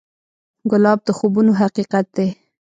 ګلاب د خوبونو حقیقت دی.